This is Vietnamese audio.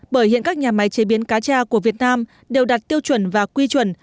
bởi hiện các nhà máy chế biến cá cha của việt nam đều đạt tiêu chuẩn và quy chuẩn